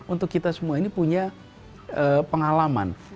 untuk kita semua ini punya pengalaman